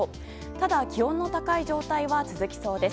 ただ、気温の高い状態は続きそうです。